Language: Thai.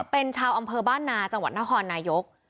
เป็นชาวอำเภอบ้านนาจังหวัดนครนายก